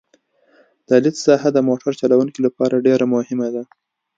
د لید ساحه د موټر چلوونکي لپاره ډېره مهمه ده